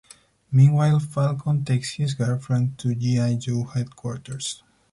Meanwhile, Falcon takes his girlfriend to G. I. Joe headquarters.